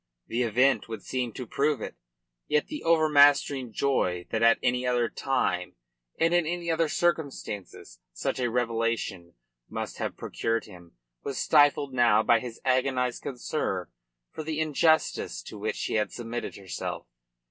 The event would seem to prove it. Yet the overmastering joy that at any other time, and in any other circumstances, such a revelation must have procured him, was stifled now by his agonised concern for the injustice to which she had submitted herself.